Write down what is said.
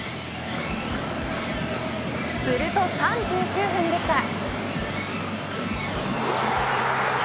すると３９分でした。